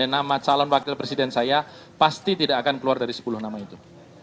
nama calon wakil presiden saya pasti tidak akan keluar dari sepuluh nama itu